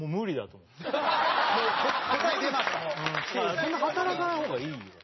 そんな働かない方がいいよ